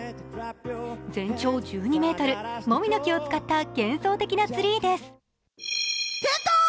全長１２ｍ、もみの木を使った幻想的なツリーです。